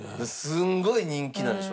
すごい人気なんでしょうね。